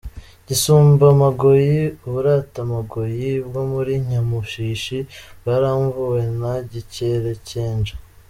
Gisumbamagoyi : “Uburuta amagoyi “, bwo muri Nyamushishi, bwaramvuwe na Gikerekenja.